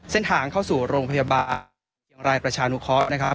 เส้นทางเข้าสู่โรงพยาบาลประชาญูคนะครับ